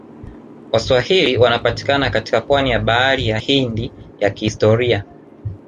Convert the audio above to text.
Waswahili wanapatikana katika pwani ya bahari ya Hindi ya kihistoria